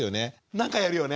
なんかやるよね？